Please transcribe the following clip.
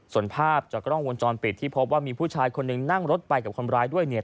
ส่วนภาพจากกล้องวงจรปิดที่พบว่ามีผู้ชายคนหนึ่งนั่งรถไปกับคนร้ายด้วยเนี่ย